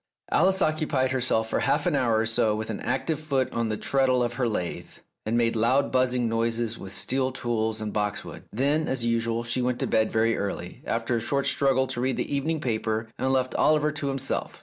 Alice occupied herself for half an hour or so with an active foot on the treadle of her lathe, and made loud buzzing noises with steel tools and boxwood. Then, as usual, she went to bed very early, after a short struggle to read the evening paper, and left 270 The Tragedy of Oliver Bowman Oliver to himself.